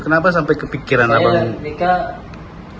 kenapa sampai kepikiran abang